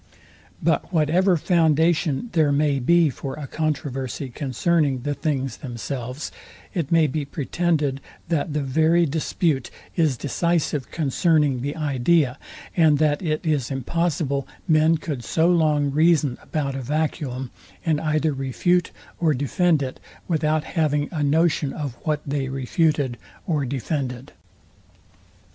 But whatever foundation there may be for a controversy concerning the things themselves, it may be pretended, that the very dispute is decisive concerning the idea, and that it is impossible men could so long reason about a vacuum, and either refute or defend it, without having a notion of what they refuted or defended.